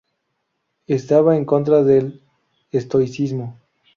Estaba en contra del estoicismo.